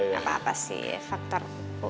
gapapa sih faktor